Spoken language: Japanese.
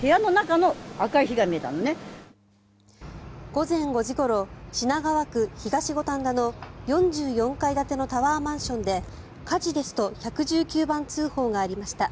午前５時ごろ品川区東五反田の４４階建てのタワーマンションで火事ですと１１９番通報がありました。